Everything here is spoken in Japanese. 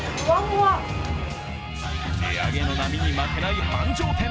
値上げの波に負けない繁盛店。